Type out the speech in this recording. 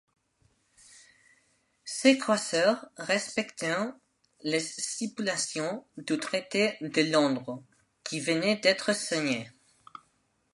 Ces croiseurs respectaient les stipulations du traité de Londres qui venait d’être signé.